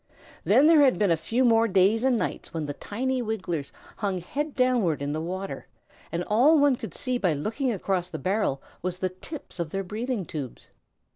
Then there had been a few more days and nights when the tiny Wigglers hung head downward in the water, and all one could see by looking across the barrel was the tips of their breathing tubes.